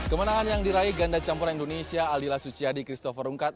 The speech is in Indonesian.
kemenangan yang diraih ganda campuran indonesia aldila suciadi christopher rungkat